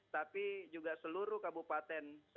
tapi juga seluruh kabupaten